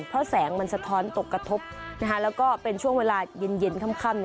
เพราะแสงมันสะท้อนตกกระทบนะคะแล้วก็เป็นช่วงเวลาเย็นค่ำ